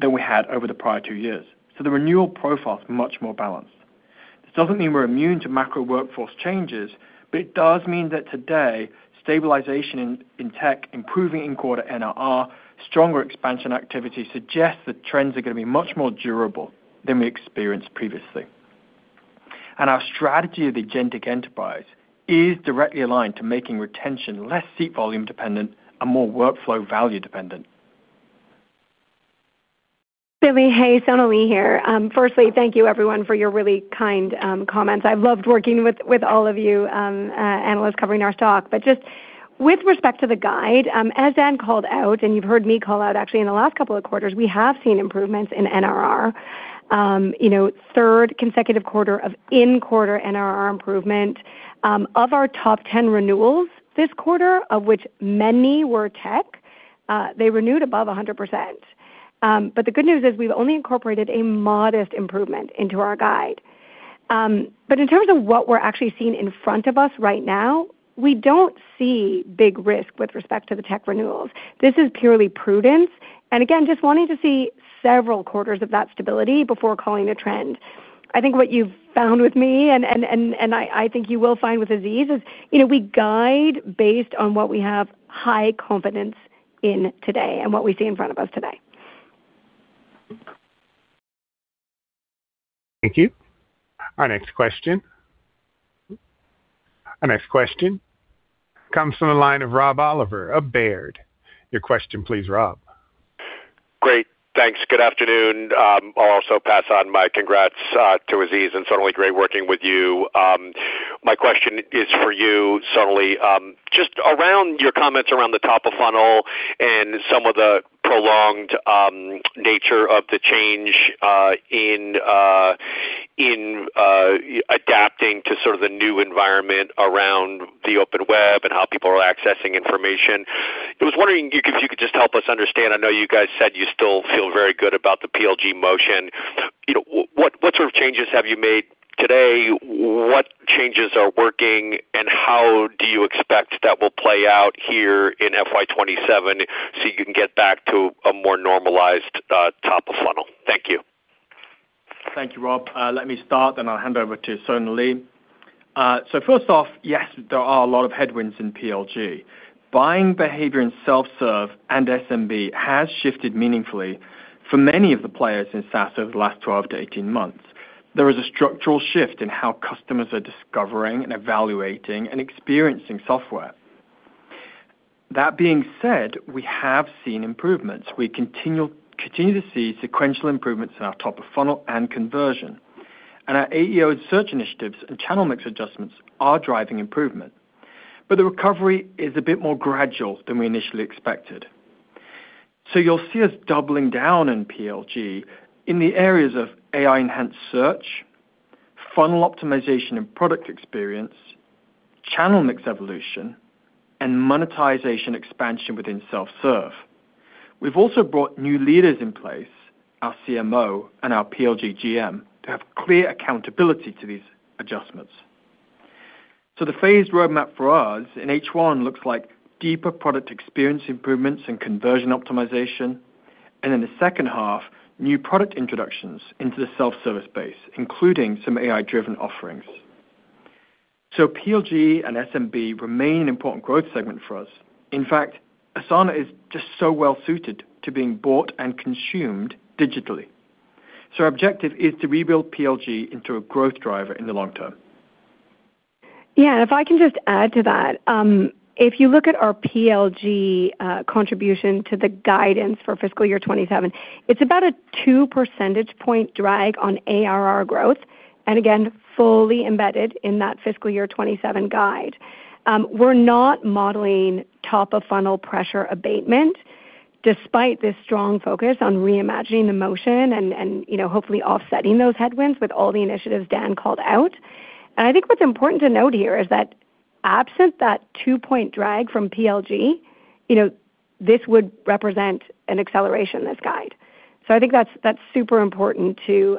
than we had over the prior two years. The renewal profile is much more balanced. This doesn't mean we're immune to macro workforce changes, but it does mean that today, stabilization in tech, improving in-quarter NRR, stronger expansion activity suggests that trends are gonna be much more durable than we experienced previously. Our strategy of the agentic enterprise is directly aligned to making retention less seat volume dependent and more workflow value dependent. Billy, hey, Sonali here. Firstly, thank you everyone for your really kind comments. I've loved working with all of you analysts covering our stock. Just with respect to the guide, as Dan called out, and you've heard me call out actually in the last couple of quarters, we have seen improvements in NRR. You know, third consecutive quarter of in-quarter NRR improvement. Of our top 10 renewals this quarter, of which many were tech, they renewed above 100%. The good news is we've only incorporated a modest improvement into our guide. In terms of what we're actually seeing in front of us right now, we don't see big risk with respect to the tech renewals. This is purely prudence, and again, just wanting to see several quarters of that stability before calling a trend. I think what you've found with me and I think you will find with Aziz is, you know, we guide based on what we have high confidence in today and what we see in front of us today. Thank you. Our next question comes from the line of Rob Oliver of Baird. Your question, please, Rob. Great. Thanks. Good afternoon. I'll also pass on my congrats to Aziz and Sonali, great working with you. My question is for you, Sonali. Just around your comments around the top of funnel and some of the prolonged nature of the change in adapting to sort of the new environment around the open web and how people are accessing information. I was wondering if you could just help us understand. I know you guys said you still feel very good about the PLG motion. You know, what sort of changes have you made today, what changes are working, and how do you expect that will play out here in FY 2027, so you can get back to a more normalized top of funnel? Thank you. Thank you, Rob. Let me start, then I'll hand over to Sonali. First off, yes, there are a lot of headwinds in PLG. Buying behavior in self-serve and SMB has shifted meaningfully for many of the players in SaaS over the last 12-18 months. There is a structural shift in how customers are discovering and evaluating and experiencing software. That being said, we have seen improvements. We continue to see sequential improvements in our top of funnel and conversion. Our AEO and search initiatives and channel mix adjustments are driving improvement. The recovery is a bit more gradual than we initially expected. You'll see us doubling down in PLG in the areas of AI-enhanced search, funnel optimization and product experience, channel mix evolution, and monetization expansion within self-serve. We've also brought new leaders in place, our CMO and our PLG GM, to have clear accountability to these adjustments. The phased roadmap for us in H1 looks like deeper product experience improvements and conversion optimization, and in the second half, new product introductions into the self-service base, including some AI-driven offerings. PLG and SMB remain an important growth segment for us. In fact, Asana is just so well suited to being bought and consumed digitally. Our objective is to rebuild PLG into a growth driver in the long term. If I can just add to that, if you look at our PLG contribution to the guidance for fiscal year 2027, it's about a two percentage point drag on ARR growth. Again, fully embedded in that fiscal year 2027 guide. We're not modeling top of funnel pressure abatement. Despite this strong focus on reimagining the motion and, you know, hopefully offsetting those headwinds with all the initiatives Dan called out. I think what's important to note here is that absent that two-point drag from PLG, you know, this would represent an acceleration, this guide. I think that's super important to,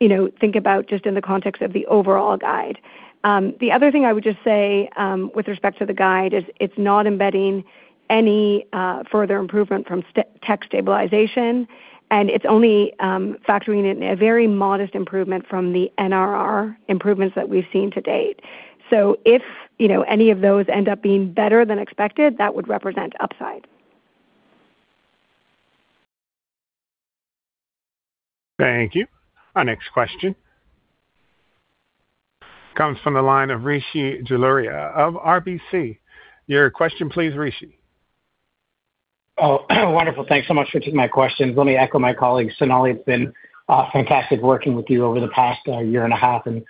you know, think about just in the context of the overall guide. The other thing I would just say, with respect to the guide is it's not embedding any further improvement from tech stabilization, and it's only factoring in a very modest improvement from the NRR improvements that we've seen to date. If, you know, any of those end up being better than expected, that would represent upside. Thank you. Our next question comes from the line of Rishi Jaluria of RBC. Your question please, Rishi. Wonderful. Thanks so much for taking my questions. Let me echo my colleague. Sonali, it's been fantastic working with you over the past year and a half and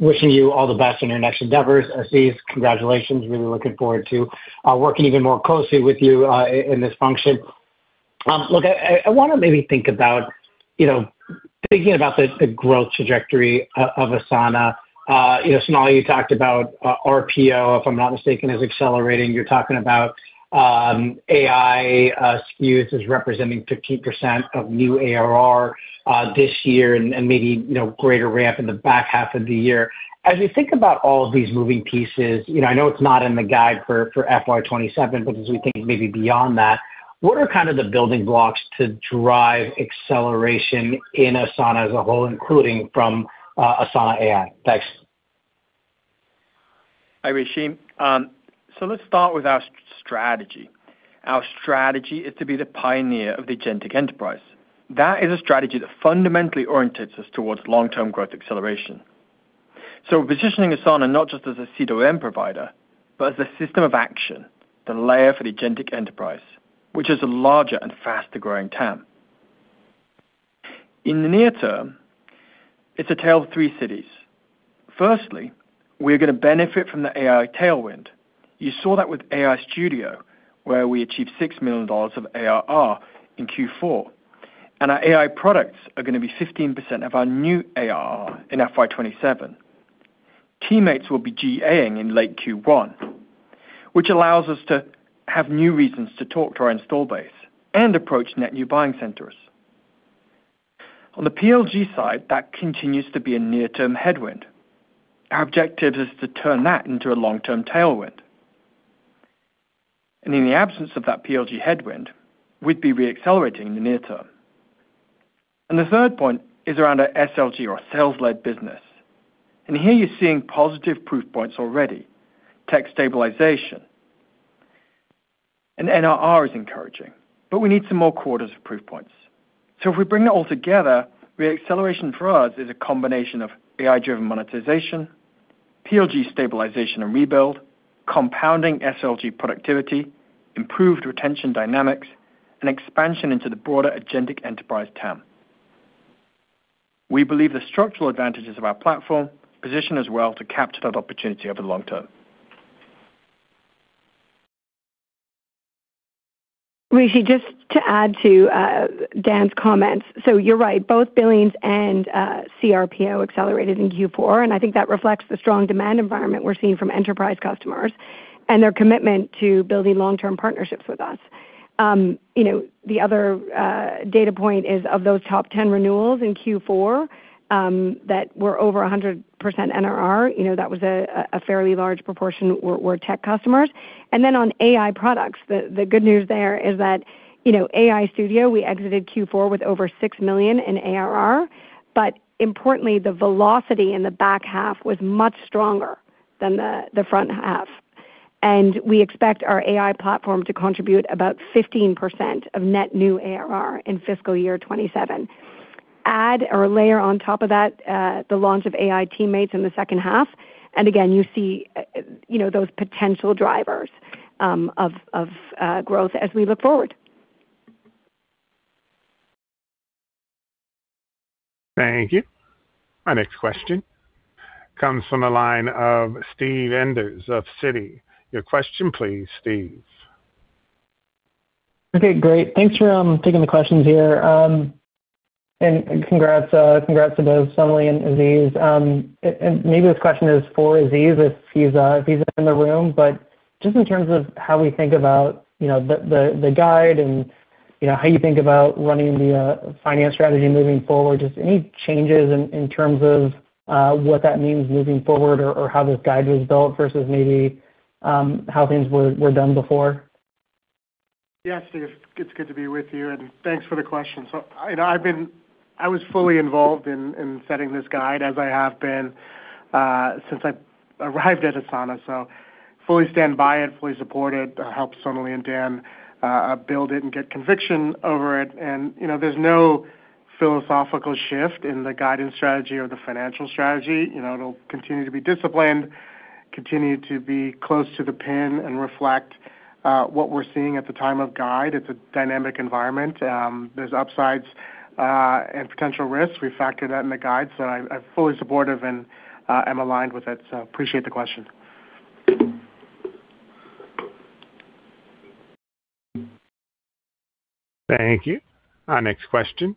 wishing you all the best in your next endeavors. Aziz, congratulations. Really looking forward to working even more closely with you in this function. Look, I wanna maybe think about, you know, thinking about the growth trajectory of Asana. You know, Sonali, you talked about RPO, if I'm not mistaken, as accelerating. You're talking about AI SKUs as representing 15% of new ARR this year and maybe, you know, greater ramp in the back half of the year. As we think about all of these moving pieces, you know, I know it's not in the guide for FY 2027, but as we think maybe beyond that, what are kind of the building blocks to drive acceleration in Asana as a whole, including from Asana AI? Thanks. Hi, Rishi. Let's start with our strategy. Our strategy is to be the pioneer of the agentic enterprise. That is a strategy that fundamentally orients us towards long-term growth acceleration. Positioning Asana not just as a CDOM provider, but as a system of action, the layer for the agentic enterprise, which is a larger and faster-growing TAM. In the near term, it's a tale of three cities. Firstly, we're gonna benefit from the AI tailwind. You saw that with AI Studio, where we achieved $6 million of ARR in Q4. Our AI products are gonna be 15% of our new ARR in FY 2027. Teammates will be GA-ing in late Q1, which allows us to have new reasons to talk to our install base and approach net new buying centers. On the PLG side, that continues to be a near-term headwind. Our objective is to turn that into a long-term tailwind. In the absence of that PLG headwind, we'd be re-accelerating in the near term. The third point is around our SLG or sales-led business. Here you're seeing positive proof points already. Tech stabilization and NRR is encouraging, but we need some more quarters of proof points. If we bring it all together, the acceleration for us is a combination of AI-driven monetization, PLG stabilization and rebuild, compounding SLG productivity, improved retention dynamics, and expansion into the broader agentic enterprise TAM. We believe the structural advantages of our platform position us well to capture that opportunity over the long term. Rishi, just to add to Dan's comments. You're right, both billings and CRPO accelerated in Q4, and I think that reflects the strong demand environment we're seeing from enterprise customers and their commitment to building long-term partnerships with us. You know, the other data point is of those top 10 renewals in Q4 that were over 100% NRR, you know, that was a fairly large proportion were tech customers. Then on AI products, the good news there is that, you know, AI Studio, we exited Q4 with over $6 million in ARR, but importantly, the velocity in the back half was much stronger than the front half. We expect our AI platform to contribute about 15% of net new ARR in fiscal year 2027. Add or layer on top of that, the launch of AI teammates in the second half. Again, you see, you know, those potential drivers, of growth as we look forward. Thank you. Our next question comes from the line of Steve Enders of Citi. Your question please, Steve. Okay, great. Thanks for taking the questions here. Congrats to both Sonalee and Aziz. Maybe this question is for Aziz if he's in the room. Just in terms of how we think about, you know, the guide and, you know, how you think about running the finance strategy moving forward, just any changes in terms of what that means moving forward or how this guide was built versus maybe how things were done before? Yeah, Steve, it's good to be with you, and thanks for the question. I know I was fully involved in setting this guide as I have been since I arrived at Asana, so fully stand by it, fully support it, help Sonalee and Dan build it and get conviction over it. You know, there's no philosophical shift in the guidance strategy or the financial strategy. You know, it'll continue to be disciplined, continue to be close to the pin and reflect what we're seeing at the time of guide. It's a dynamic environment. There's upsides and potential risks. We factor that in the guide. I'm fully supportive and am aligned with it, so appreciate the question. Thank you. Our next question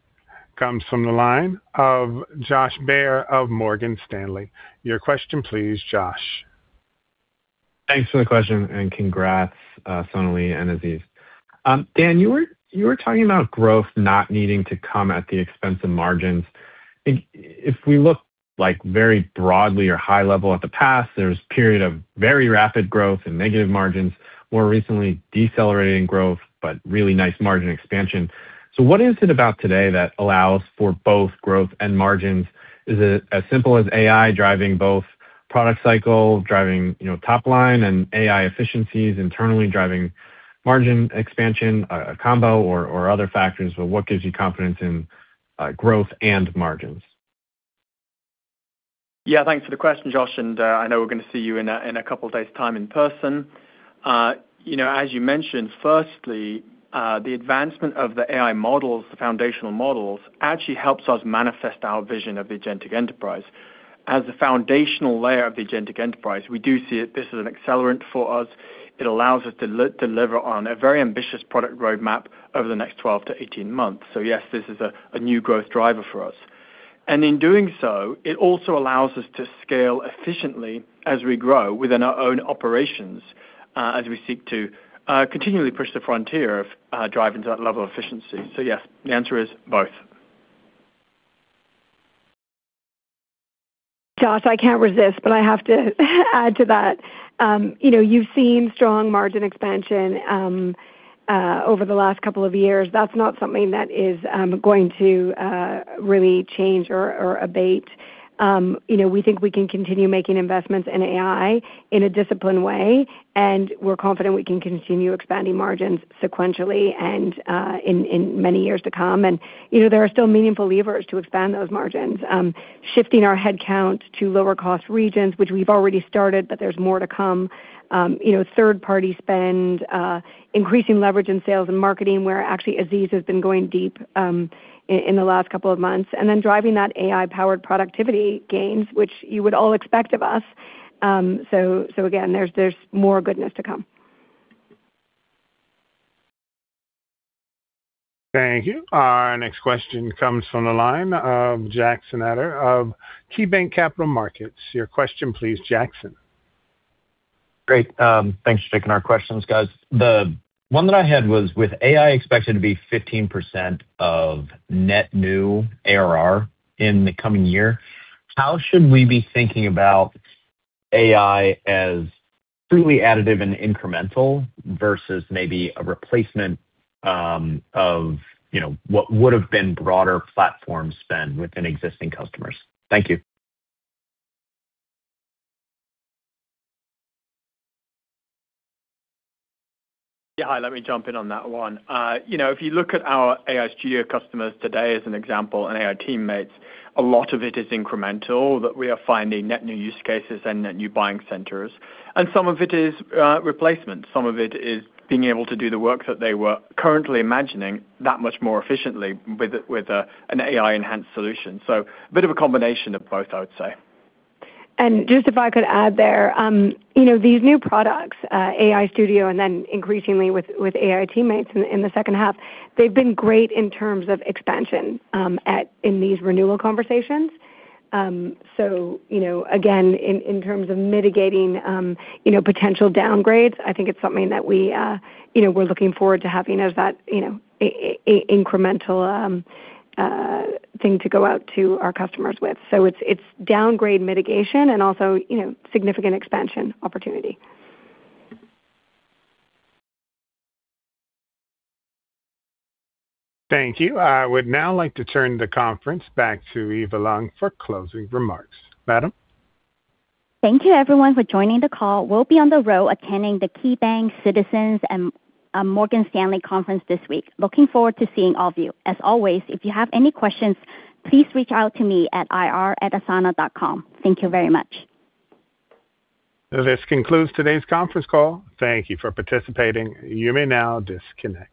comes from the line of Josh Baer of Morgan Stanley. Your question please, Josh. Thanks for the question and congrats, Sonali and Aziz. Dan, you were talking about growth not needing to come at the expense of margins. If we look like very broadly or high level at the past, there's period of very rapid growth and negative margins. More recently, decelerating growth, but really nice margin expansion. What is it about today that allows for both growth and margins? Is it as simple as AI driving both product cycle, driving, you know, top line and AI efficiencies internally, driving margin expansion, a combo or other factors? What gives you confidence in growth and margins? Yeah, thanks for the question, Josh Baer. I know we're gonna see you in a couple days' time in person. You know, as you mentioned, firstly, the advancement of the AI models, the foundational models, actually helps us manifest our vision of the agentic enterprise. As the foundational layer of the agentic enterprise, we do see it, this as an accelerant for us. It allows us to deliver on a very ambitious product roadmap over the next 12 to 18 months. Yes, this is a new growth driver for us. In doing so, it also allows us to scale efficiently as we grow within our own operations, as we seek to continually push the frontier of driving to that level of efficiency. Yes, the answer is both. Josh, I can't resist, but I have to add to that. You know, you've seen strong margin expansion over the last couple of years. That's not something that is going to really change or abate. You know, we think we can continue making investments in AI in a disciplined way, and we're confident we can continue expanding margins sequentially and in many years to come. You know, there are still meaningful levers to expand those margins. Shifting our head count to lower cost regions, which we've already started, but there's more to come. You know, third party spend, increasing leverage in sales and marketing, where actually Aziz has been going deep in the last couple of months, and then driving that AI-powered productivity gains which you would all expect of us. Again, there's more goodness to come. Thank you. Our next question comes from the line of Jackson Ader of KeyBanc Capital Markets. Your question, please, Jackson. Great. Thanks for taking our questions, guys. The one that I had was, with AI expected to be 15% of net new ARR in the coming year, how should we be thinking about AI as truly additive and incremental versus maybe a replacement, of, you know, what would've been broader platform spend within existing customers? Thank you. Yeah, hi. Let me jump in on that one. you know, if you look at our AI Studio customers today as an example, and AI teammates, a lot of it is incremental, that we are finding net new use cases and net new buying centers. Some of it is, replacement. Some of it is being able to do the work that they were currently imagining that much more efficiently with, an AI enhanced solution. A bit of a combination of both, I would say. Just if I could add there, you know, these new products, AI Studio and then increasingly with AI teammates in the second half, they've been great in terms of expansion in these renewal conversations. You know, again, in terms of mitigating, you know, potential downgrades, I think it's something that we, you know, we're looking forward to having as that, you know, incremental thing to go out to our customers with. It's downgrade mitigation and also, you know, significant expansion opportunity. Thank you. I would now like to turn the conference back to Eva Leung for closing remarks. Madam. Thank you everyone for joining the call. We'll be on the road attending the KeyBanc Citizens and Morgan Stanley conference this week. Looking forward to seeing all of you. As always, if you have any questions, please reach out to me at ir@asana.com. Thank you very much. This concludes today's conference call. Thank you for participating. You may now disconnect.